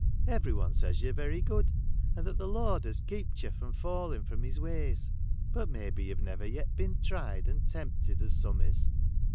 Every one says you're very good, and that the Lord has keeped you from falling from his ways ; but maybe you Ve never yet been tried and tempted as some is.